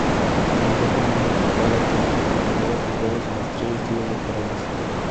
Cuenta con una facultad altamente preparada con grados de maestría y estudios doctorales.